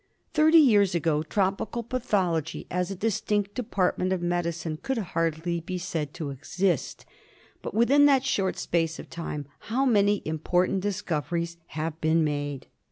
Thirty years ago tropical pathology as a distinct department of medicine could hardly be said to exist; A 2 GEOGRAPHICAL DISTRIBUTION but within that short space of time how many important discoveries have been made!